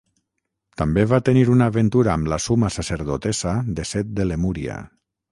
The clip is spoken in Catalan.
També va tenir una aventura amb la suma sacerdotessa de Set de Lemúria.